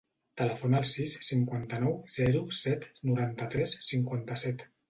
Telefona al sis, cinquanta-nou, zero, set, noranta-tres, cinquanta-set.